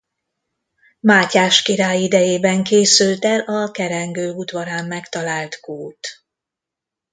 Mátyás király idejében készült el a kerengő udvarán megtalált kút.